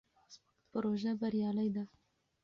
پروژه بریالۍ ده.